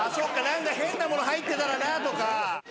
何か変なもの入ってたらなとか。